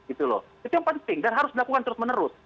itu yang penting dan harus dilakukan terus menerus